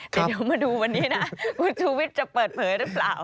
แต่เดี๋ยวมาดูวันนี้นะคุณชูวิทย์จะเปิดเผยหรือเปล่า